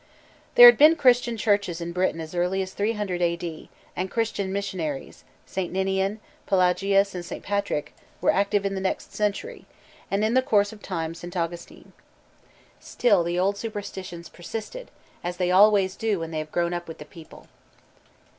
There had been Christian churches in Britain as early as 300 A. D., and Christian missionaries, St. Ninian, Pelagius, and St. Patrick, were active in the next century, and in the course of time St. Augustine. Still the old superstitions persisted, as they always do when they have grown up with the people.